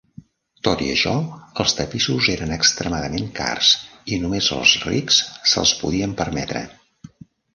Tot i això, els tapissos eren extremadament cars i només els rics se'ls podien permetre.